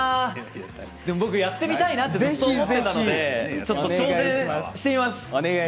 でも、やってみたいなと思っていたのでちょっと挑戦してみます。